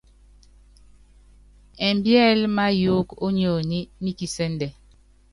Ɛmbíɛ́lɛ́ máyɔɔ́k ó nionyi ní kisɛ́ndɛ.